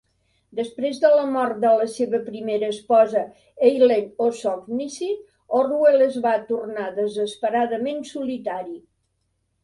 Després de la mort de la seva primera esposa, Eileen O'Shaughnessy, Orwell es va tornar desesperadament solitari.